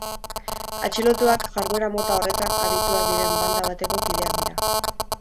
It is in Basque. Atxilotuak jarduera mota horretan adituak diren banda bateko kideak dira.